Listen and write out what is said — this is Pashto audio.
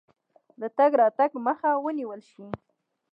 د تګ راتګ مخه ونیوله شي.